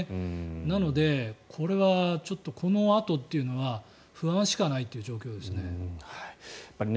なのでこれはちょっとこのあとというのは不安しかないという状況ですね。